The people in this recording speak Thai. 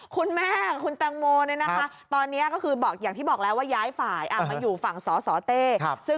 คุณแตงโมตอนนี้ก็คืออย่างที่บอกแล้วที่ญ้ายฝ่ายมาอยู่ฝั่งสสเต้